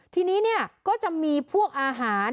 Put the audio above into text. ทีนี้ก็จะมีพวกอาหาร